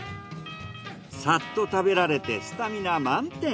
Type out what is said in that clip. サッと食べられてスタミナ満点。